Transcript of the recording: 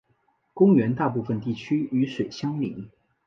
公园大部分地区与水相邻。